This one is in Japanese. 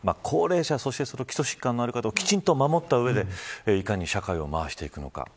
高齢者、基礎疾患のある方をきちんと守ったうえでいかに社会を回していくのか。